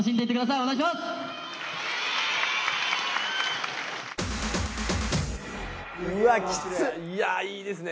いやいいですね。